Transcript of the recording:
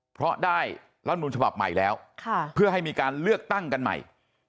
เพราะได้รัฐมนุนฉบับใหม่แล้วเพื่อให้มีการเลือกตั้งกันใหม่